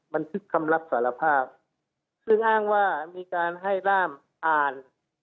บันทึกคำรับสารภาพซึ่งอ้างว่ามีการให้ร่ามอ่าน